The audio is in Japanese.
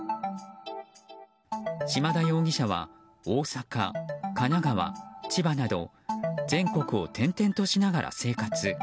島田容疑者は大阪、神奈川、千葉など全国を転々としながら生活。